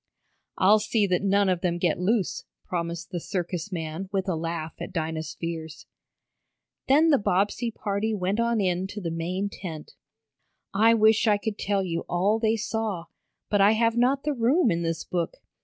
"I'll see that none of them get loose," promised the circus man with a laugh at Dinah's fears. Then the Bobbsey party went on in to the main tent. I wish I could tell you all they saw, but I have not the room in this book.